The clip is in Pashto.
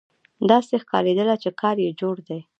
داسې ښکارېدله چې کار یې جوړ دی.